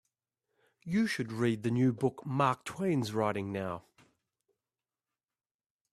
You should read the new book Mark Twain's writing now.